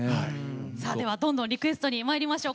どんどんリクエストにまいりましょう。